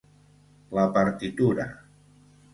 La partitura